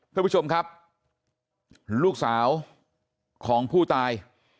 ท่านผู้ชมครับลูกสาวของผู้ตาย